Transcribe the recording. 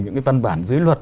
những cái văn bản dưới luật